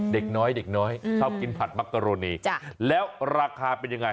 เด็กน้อยเด็กน้อยชอบกินผัดมักกะโรนีแล้วราคาเป็นยังไง